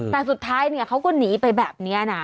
แต่สุดท้ายเนี่ยเขาก็หนีไปแบบนี้นะ